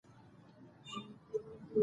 کلیمه د مانا اساس دئ.